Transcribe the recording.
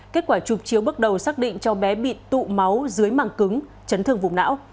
kết quả chụp chiếu bước đầu xác định cho bé bị tụ máu dưới màng cứng chấn thương vùng não